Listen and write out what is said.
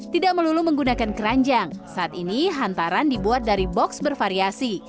tidak melulu menggunakan keranjang saat ini hantaran dibuat dari box bervariasi